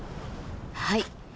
はい。